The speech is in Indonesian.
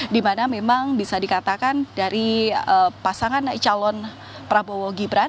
dimana memang bisa dikatakan dari pasangan calon prabowo gibran